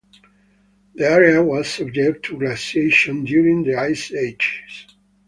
The area was subject to glaciation during the ice ages.